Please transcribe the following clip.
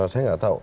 saya nggak tahu